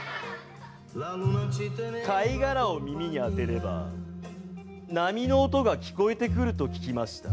貝殻を耳に当てれば波の音が聞こえてくると聞きました。